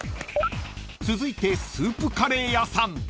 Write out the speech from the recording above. ［続いてスープカレー屋さん］